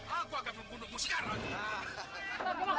aku akan membunuhmu sekarang